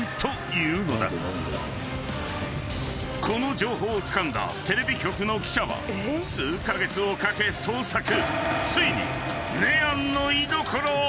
［この情報をつかんだテレビ局の記者は数カ月をかけ捜索］